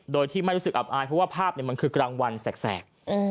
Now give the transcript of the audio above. โดยที่ไม่รู้สึกอับอายเพราะว่าภาพมันคือกลางวันแสก